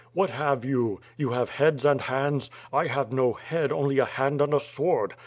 What have you? You have heads and hands. 1 have no head only a hand and a sword.